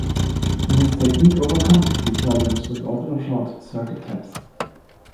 This technique overcomes the problems with open or short circuit taps.